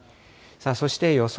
そして予想